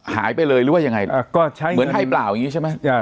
หายไปเลยหรือว่ายังไงเหมือนไทยเปล่าอย่างนี้ใช่ไหม